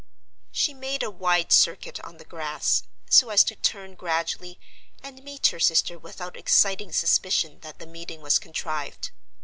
She made a wide circuit on the grass, so as to turn gradually and meet her sister without exciting suspicion that the meeting was contrived.